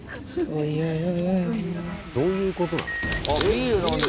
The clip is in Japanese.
どういうことなの？